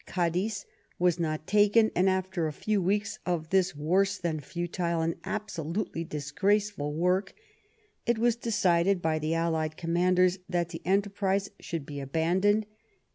Cadiz was not taken, and after a few weeks of this worse than futile and abso lutely disgraceful work it was decided by the allied commanders that the enterprise should be abandoned.